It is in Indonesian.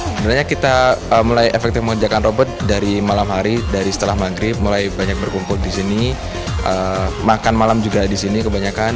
sebenarnya kita mulai efektif mengerjakan robot dari malam hari dari setelah maghrib mulai banyak berkumpul di sini makan malam juga di sini kebanyakan